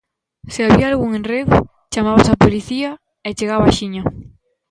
Se había algún enredo, chamabas a policía e chegaba axiña.